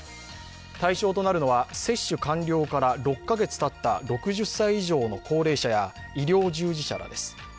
対象となるのは、接種完了から６カ月たった６０歳以上の高齢者や医療従事者らです。